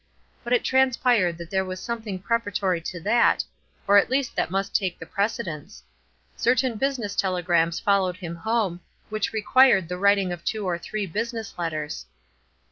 But it transpired that there was something preparatory to that, or at least that must take the precedence. Certain business telegrams followed him home, which required the writing of two or three business letters.